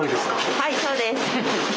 はいそうです。